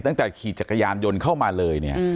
ตั้งแต่ขี่จักรยานยนต์เข้ามาเลยเนี่ย